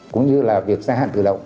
cũng như là việc gia hạn tự động